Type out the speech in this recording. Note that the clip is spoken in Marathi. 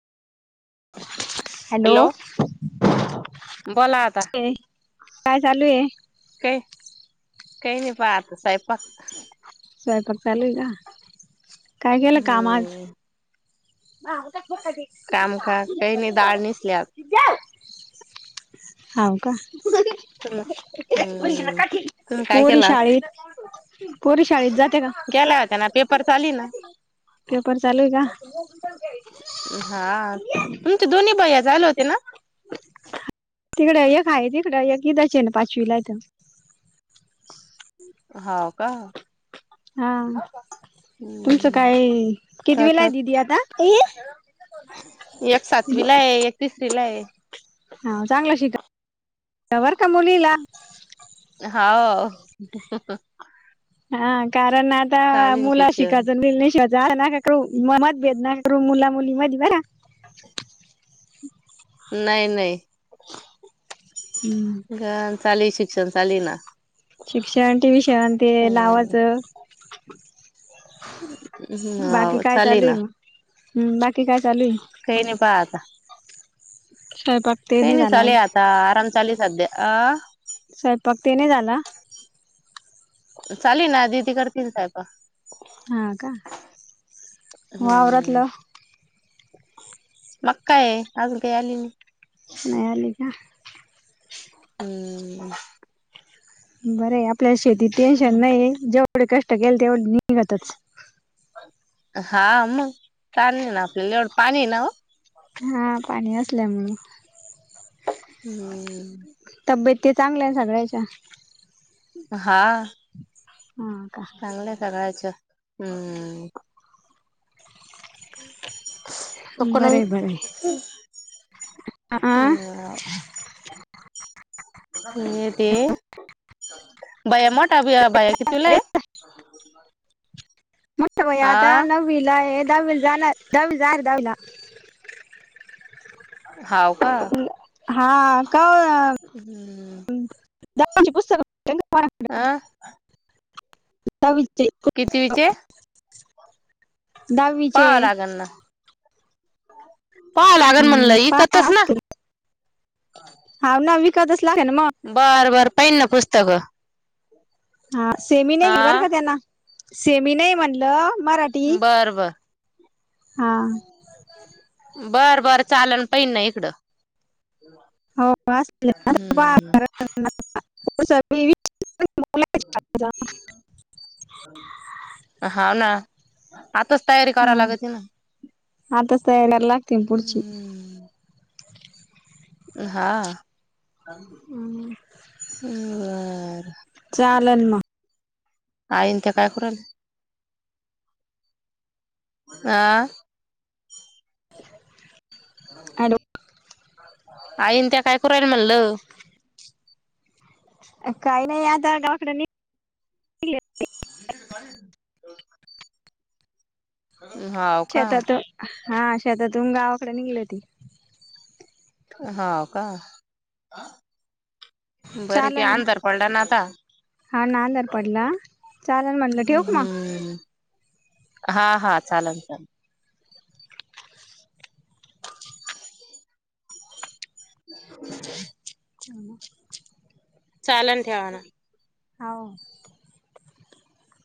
हॅलो बोला आता काय चालूय काय काही नाही पा आता स्वयपाक स्वयपाक चालूय का काय केलं काम आज हम्म. [unintelligible] काम का काई नई डाळ निसल्यात [unintelligible] हौ का हम्म. तुम्ही काय पोरी केला शाळेत पोरी शाळेत जात्या का गेल्या होत्या ना पेपर चाली ना पेपर चालूय का तू चल रे [inaudible] हा तुमचे दोन्ही बैया जायला होते ना तिकडं एक‌ हाय तिकडं [unintelligible] ना पाचवीला हितं हौ का हा तुमचं हम्म काय कितविला आहे दिदी आता एक सातवी लाय एक तिसरी लाय हौ चांगलं शिकवा बर का मुलीला हौ हा कारण आता मुलं शिक्षण शिकायचं [unintelligible] जा ना [unintelligible] मन- मतभेद नका करू मुला मुली मध्ये बरं नाय नाई हम्म ग चाले शिक्षण चाले ना शिक्षण ट्युशन ते हम्म लावाचं बाकी हाव काय चाले चालूय ना हम् बाकी काय चालूय काई नई पाहा आता. सयपाक काय नाइ चालूये आता आराम चालूये सध्या. अं स्वयपाक ते नाही झाला. चालुये ना दीदी करतील सयपाक. हा का हम्म वावरातलं मग काय, अजून काय आली नही. नाय आली का? हम् हम् बरंय आपल्याला शेतीत टेन्शन नाहीये जेवढे कष्ट केले तेवढे निघात्याचं. हा मग ताण नाही ना आपल्याला एवढं पाणी आहे ना ओ हा पाणी असल्यामुळे हम्म तब्येत ते चांगल्या ना सगळ्याच्या हा हा का चांगल्याय सगळ्यांच्या हम्म [inaudible] [unintelligible] थांब बरं आहे बरं आहे आ मी येते. बया मोठा [unintelligible] अे [inaudible] [unintelligible] मोठा भाई हा आता नववीला ए दहावीला जाणार दहावी जाणार ए दहावीला हाव का हा.. का ओ हम्म [inaudible] अ [unintelligible] दहावीचे कितवीचे? दहावीचे पावा लागण ना पावा लागन हम्म, म्हणलं पाहा इकातच ना असतील हाव ना विकतच लागत्या ना म बरं बर पाहिन ना पुस्तकं हा सेमी नाही घेयल का बर हा का त्यानं, सेमी नाही म्हणलं मराठी बर ब. हा बरं बरं चालल पहिन ना इकडं हो हम्म [inaudible] [unintelligible] बरं [inaudible] हा ना, आताच तयारी करावं लागती ना आत्ताच तयारीला लागतील पुढची हम्म हा बरं.... चालन मग आईन त्या काय करु राहिल्या? अं.. हॅलो आईन त्या काय करु राहिल्या म्हणलं? काही नाही आता गावाकडे नि का [inaudible] [unintelligible] हा शेतातून हा शेतातून गावाकड निघाल्याती हाव का? बर की चालन मग अंधार पडला ना आता हा ना अंधार पडला चालल म्हटलं, ठेवू का मग हम्म हा हा चाललं चाललं [inaudible] [unintelligible] चाललं ठेवा ना हाव